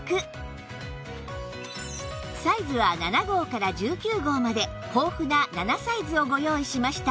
サイズは７号から１９号まで豊富な７サイズをご用意しました